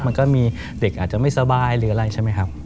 มันก็มีเด็กอาจจะไม่สบายหรืออะไรใช่ไหมครับ